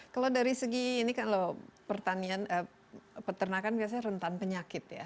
kalau dari segi ini kalau peternakan biasanya rentan penyakit ya